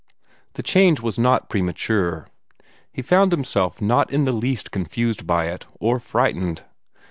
The change was not premature. He found himself not in the least confused by it, or frightened.